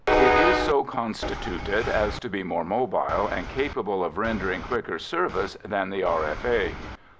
It is so constituted as to be more mobile and capable of rendering quicker service than the R.F.A.